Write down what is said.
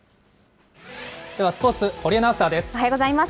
ではスポーツ、堀アナウンサーです。